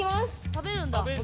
食べるんだ。